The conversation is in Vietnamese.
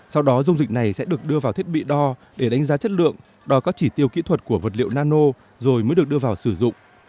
sau đó dung dịch này sẽ được đưa vào thiết bị đo để đánh giá chất lượng đo các chỉ tiêu kỹ thuật của vật liệu nano rồi mới được đưa vào sử dụng